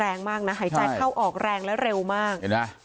แรงมากนะหายใจเข้าออกแรงและเร็วมาก